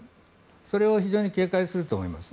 それを非常に警戒すると思います。